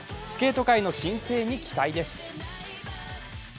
スケート界の新星に期待です。